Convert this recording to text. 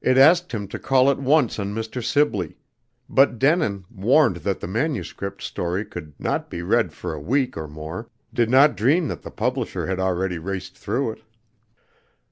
It asked him to call at once on Mr. Sibley; but Denin, warned that the manuscript story could not be read for a week or more, did not dream that the publisher had already raced through it.